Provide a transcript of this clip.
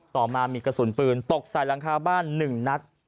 ต่อมามีกระสุนปืนตกใส่หลังคาบ้าน๑นัด